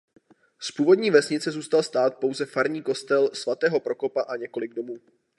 Z původní vesnice zůstal stát pouze farní kostel svatého Prokopa a několik domů.